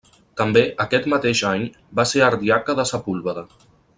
També aquest mateix any va ser ardiaca de Sepúlveda.